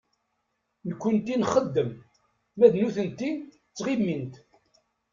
Nekkenti nxeddem, ma d nutenti ttɣimint.